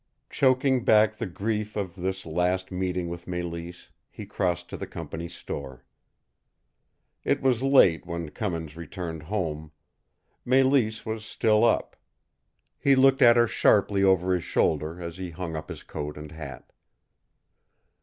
Choking back the grief of this last meeting with Mélisse, he crossed to the company store. It was late when Cummins returned home. Mélisse was still up. He looked at her sharply over his shoulder as he hung up his coat and hat.